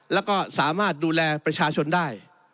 แล้วก็สามารถดูแลประชาชนได้